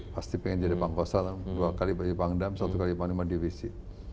pasti pengen jadi pangkosa dua kali bagi pangdam satu kali panglima divisi